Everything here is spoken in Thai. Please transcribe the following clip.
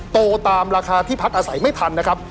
ตามราคาที่พักอาศัยไม่ทันนะครับ